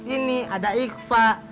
ini ada ikhfa